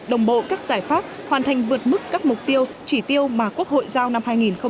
đồng bộ các giải pháp hoàn thành vượt mức các mục tiêu chỉ tiêu mà quốc hội giao năm hai nghìn hai mươi